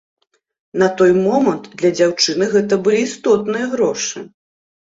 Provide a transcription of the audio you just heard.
На той момант для дзяўчыны гэта былі істотныя грошы.